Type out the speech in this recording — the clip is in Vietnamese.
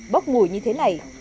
bốc mùi như thế này